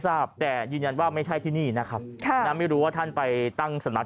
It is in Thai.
ทราบแต่ยืนยันว่าไม่ใช่ที่นี่นะครับค่ะนะไม่รู้ว่าท่านไปตั้งสำนัก